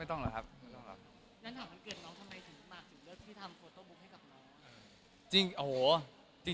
ถามการเกิดน้องทำไมถึงเลือกทำโฟโต้บุ๊กให้กับน้อง